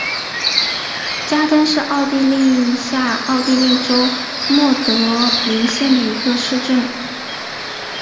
加登是奥地利下奥地利州默德林县的一个市镇。